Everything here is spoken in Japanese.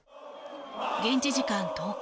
現地時間１０日